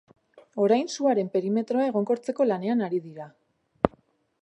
Orain suaren perimetroa egonkortzeko lanean ari dira.